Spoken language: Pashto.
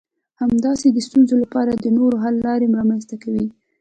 همداسې د ستونزو لپاره د نوي حل لارې رامنځته کوي.